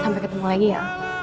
sampai ketemu lagi ya